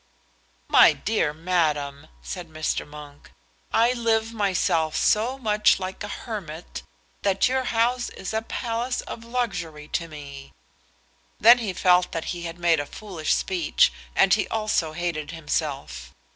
"My dear madam," said Mr. Monk, "I live myself so much like a hermit that your house is a palace of luxury to me." Then he felt that he had made a foolish speech, and he also hated himself.